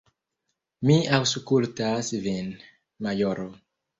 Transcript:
Mi aŭskultas vin, majoro!